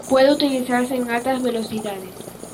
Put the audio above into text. Pueden utilizarse en altas velocidades.